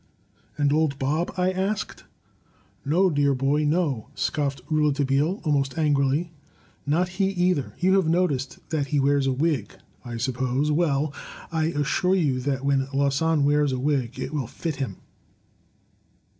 And Old Bob?'* I asked. No, dear boy, no!" scoffed Rouletabille, almost angrily. "Not he, either. You have noticed that he wears a wig, I suppose. Well, I assure you that when Larsan wears a wig, it will fit him!